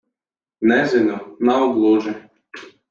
Nezinu. Nav gluži...